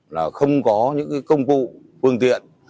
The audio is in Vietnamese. là không có những công cụ phương tiện